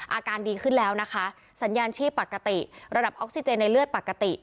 อาการดีขึ้นแล้วนะคะสัญญาณชีพปกติระดับออกซิเจนในเลือดปกติ